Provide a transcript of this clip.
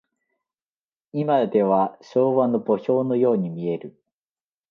いまでは昭和の墓標のように見える。